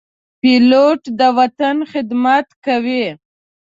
پیلوټ د وطن خدمت کوي.